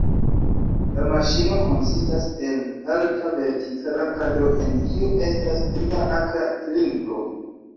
La maŝino konsistas el alta vertikala kadro, en kiu estas peza akra klingo.